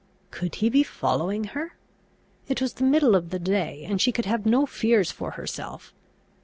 Could he be following her? It was the middle of the day, and she could have no fears for herself.